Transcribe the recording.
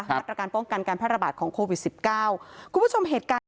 มาตรการป้องกันการแพร่ระบาดของโควิดสิบเก้าคุณผู้ชมเหตุการณ์